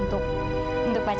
ibu sudah mati